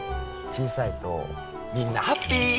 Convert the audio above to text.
小さいとみんなハッピー！